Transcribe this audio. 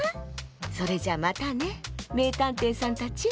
それじゃまたねめいたんていさんたち。